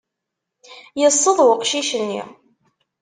Yesseḍ uqcic-nni.